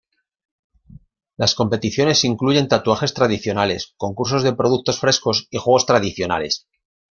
Las competiciones incluyen tatuajes tradicionales, concursos de productos frescos y juegos tradicionales.